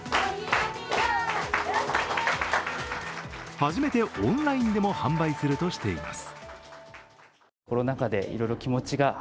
初めてオンラインでも販売するとしています。